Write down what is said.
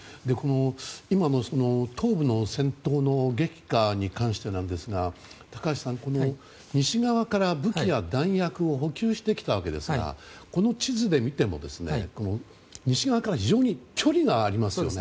今の東部の戦闘の激化に関してなんですが西側から武器や弾薬を補給してきたわけですがこの地図で見ても西側から非常に距離があります。